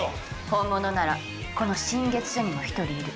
本物ならこの新月署にも一人いる。